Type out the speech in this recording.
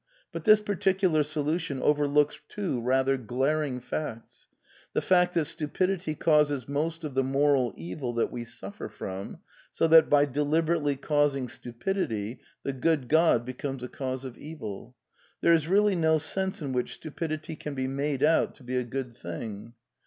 But this particular solution overlooks two rather glaring facts : the fact that stupidity causes most of the moral evil that we suffer from ; so that by deliberately causing stupidity the good God becomes a cause of evil. There is really no sense in which stupidity can be made out to be a good thing.